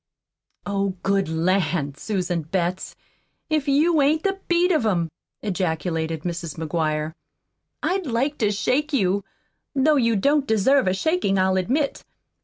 "Oh, good lan', Susan Betts, if you ain't the beat of 'em!" ejaculated Mrs. McGuire. "I'd like to shake you though you don't deserve a shakin', I'll admit.